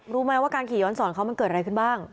รู้ไหมว่าการขี่ย้อนสอนเขามันเกิดอะไรขึ้นบ้าง